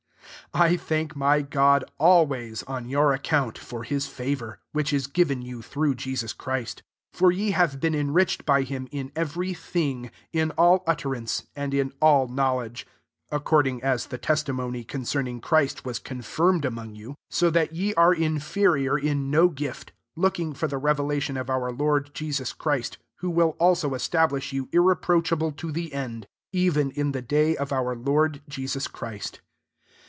4 I THANK my God always, on your account, for his favour, which is given you through Jesus Christ: 5 for ye have been enriched by him in every thing, in all utterance, and in all knowledge; 6 (according as the testimony concerning Christ was confirmed among you ;) 7 so that yc are inferior in no gift ; looking for the revela tion of our Lord Jesus Christ, 8 who will also establish you irreproachable to the end, even in the day of our Lord Jesus Christ.